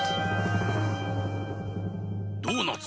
ドーナツ。